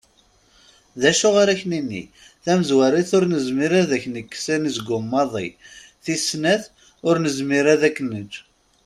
D acu ara ak-nini? Tamezwarut, ur nezmir ad ak-nekkes anezgum maḍi, tis snat, ur nezmir ad k-neǧǧ.